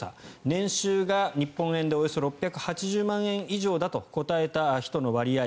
年収が日本円でおよそ６８０万円以上だと答えた人の割合